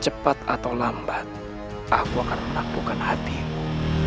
cepat atau lambat aku akan menampungkan hatimu